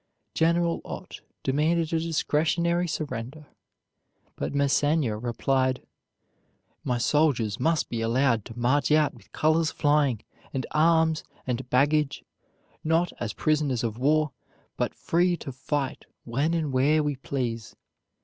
General Ott demanded a discretionary surrender, but Massena replied: "My soldiers must be allowed to march out with colors flying, and arms and baggage; not as prisoners of war, but free to fight when and where we please.